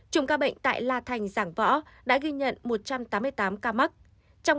chùm ca bệnh tại la thành và giảng võ đã ghi nhận năm ca mắc m alissa hiện bốn ngày không ghi nhận ca mắc mới